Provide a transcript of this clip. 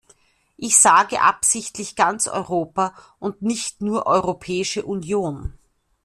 Ich sage absichtlich ganz Europa und nicht nur Europäische Union.